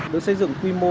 được xây dựng quy mô